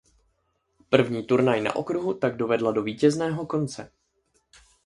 První turnaj na okruhu tak dovedla do vítězného konce.